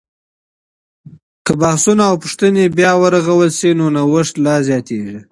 که بحثونه او پوښتنې بیا ورغول سي، نو نوښت لا زیاتیږي.